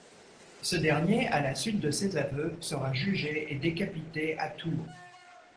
Ce dernier, à la suite de ses aveux, sera jugé et décapité à Tours.